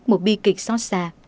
một bi kịch xót xa